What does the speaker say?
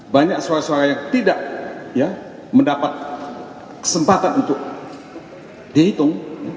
banyak suara suara yang tidak mendapat kesempatan untuk dihitung